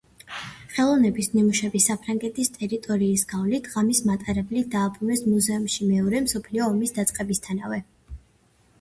ხელოვნების ნიმუშები საფრანგეთის ტერიტორიის გავლით ღამის მატარებლით დააბრუნეს მუზეუმში მეორე მსოფლიო ომის დაწყებისთანავე.